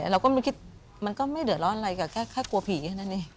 เราก็คิดมันก็ไม่เดือดร้อนอะไรกับแค่กลัวผีแบบนี้